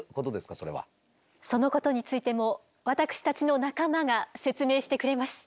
そのことについても私たちの仲間が説明してくれます。